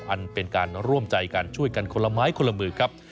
อันเป็นการร่วมใจกันช่วยกันคนละไม้คนละมือครับ